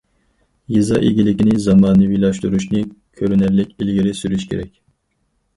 يېزا ئىگىلىكىنى زامانىۋىلاشتۇرۇشنى كۆرۈنەرلىك ئىلگىرى سۈرۈش كېرەك.